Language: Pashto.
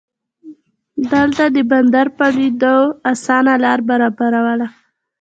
دلته د بندر فعالېدو اسانه لار برابرواله.